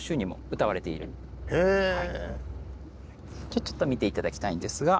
ちょっと見て頂きたいんですが。